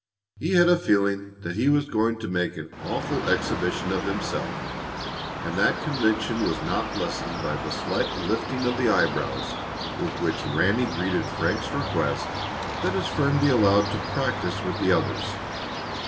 He had a feeling that he was going to make an awful exhibition of himself, and that conviction was not lessened by the slight lifting of the eyebrows with which Ranny greeted Frank's request that his friend be allowed to practise with the others.